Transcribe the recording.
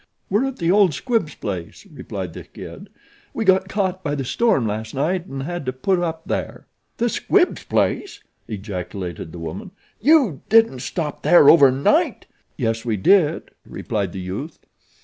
"We're at the old Squibbs' place," replied The Kid. "We got caught by the storm last night and had to put up there." "The Squibbs' place!" ejaculated the woman. "Yew didn't stop there over night?" "Yes we did," replied the youth.